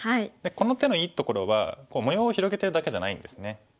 この手のいいところは模様を広げてるだけじゃないんですね。